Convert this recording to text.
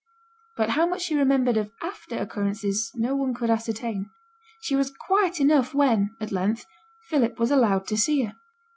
But how much she remembered of after occurrences no one could ascertain. She was quiet enough when, at length, Philip was allowed to see her.